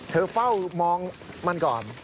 เฝ้ามองมันก่อน